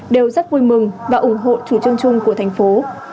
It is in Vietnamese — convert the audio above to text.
đều rất vui mừng và ủng hộ chủ trương chung của thành phố